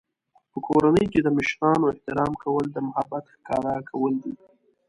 په کورنۍ کې د مشرانو احترام کول د محبت ښکاره کول دي.